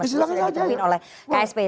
silahkan aja ya